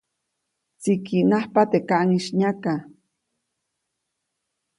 Tsikiʼnajpa teʼ kaʼŋis nyaka.